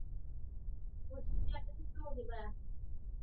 弓弦乐器运用琴弓以表达乐曲的表情。